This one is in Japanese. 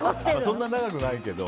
そんなに長くないけど。